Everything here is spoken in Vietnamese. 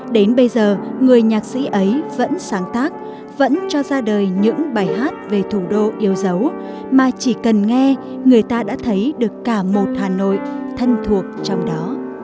đến bây giờ người nhạc sĩ ấy vẫn sáng tác vẫn cho ra đời những bài hát về thủ đô yêu dấu mà chỉ cần nghe người ta đã thấy được cả một hà nội thân thuộc trong đó